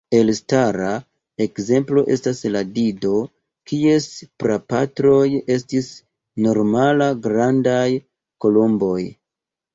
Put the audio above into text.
Elstara ekzemplo estas la dido, kies prapatroj estis normal-grandaj kolomboj.